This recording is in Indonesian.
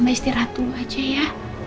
mbak istirahat dulu aja ya